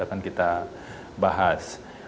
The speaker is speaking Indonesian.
akan kita bahas